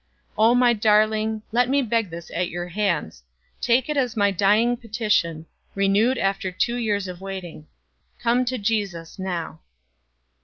Oh, my darling, let me beg this at your hands; take it as my dying petition renewed after two years of waiting. Come to Jesus now.